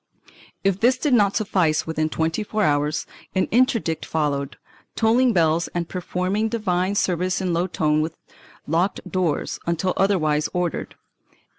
If this did not suffice within twenty four hours, an interdict followed, tolling bells and performing divine service in low tone with locked doors, until otherwise ordered.